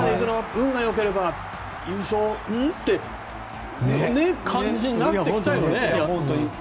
運がよければ優勝？って感じになってきたよね。